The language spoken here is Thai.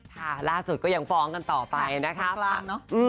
ค่ะล่าสุดก็ยังฟ้องกันต่อไปนะคะ